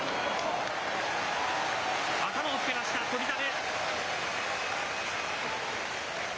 頭をつけました、翔猿。